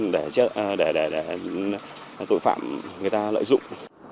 để tội phạm người ta lợi dụng